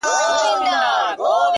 ستا د خولې سا-